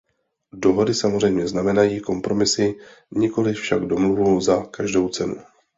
Dohody samozřejmě znamenají kompromisy, nikoli však domluvu za každou cenu.